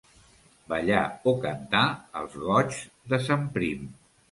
Ballar o cantar els goigs de sant Prim.